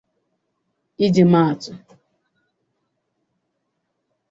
iji maa atụ